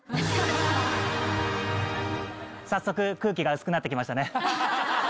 早速空気が薄くなってきましたね。